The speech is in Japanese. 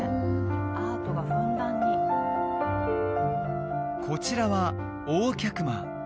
アートがふんだんにこちらは大客間